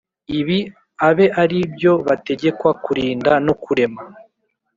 Ibi abe ari byo bategekwa kurinda no kurem